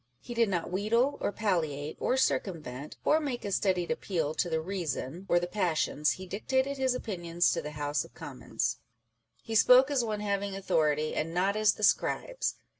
He did not wheedle, or palliate, or cir cumvent, or make a studied appeal to the reason or the passions â€" he dictated his opinions to the House of Commons. "He spoke as one having authority, and not as the Scribes."